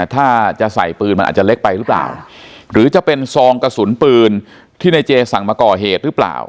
ถ้าจะใส่ปืนมันอาจจะเล็กไปหรือเปล่าหรือจะเป็นซองกระสุนปืนที่ในเจสั่งมาก่อเหตุหรือเปล่า